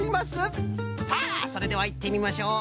さあそれではいってみましょう！